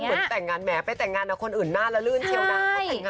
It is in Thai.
เหมือนแต่งงานแหมไปแต่งงานนะคนอื่นหน้าละลื่นเชียวนะ